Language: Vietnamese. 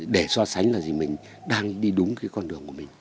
để so sánh là gì mình đang đi đúng cái con đường của mình